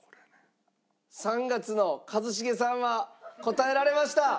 ３月の一茂さんは答えられました。